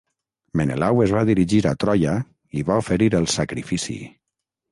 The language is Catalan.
Menelau es va dirigir a Troia i va oferir el sacrifici.